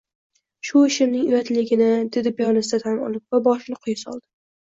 Shu ishimning uyatligini, — dedi piyonista tan olib va boshini quyi soldi.